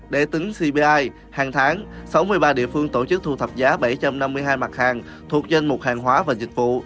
để tính cbi hàng tháng sáu mươi ba địa phương tổ chức thu thập giá bảy trăm năm mươi hai mặt hàng thuộc danh mục hàng hóa và dịch vụ